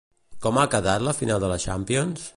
Com ha quedat la final de la Champions?